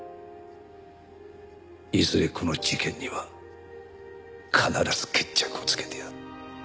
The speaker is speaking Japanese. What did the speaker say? いずれこの事件には必ず決着をつけてやる。